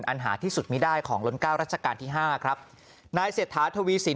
หาที่สุดไม่ได้ของล้นเก้ารัชกาลที่ห้าครับนายเศรษฐาทวีสิน